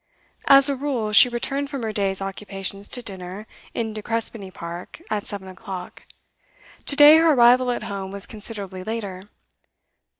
As a rule, she returned from her day's occupations to dinner, in De Crespigny Park, at seven o'clock. To day her arrival at home was considerably later.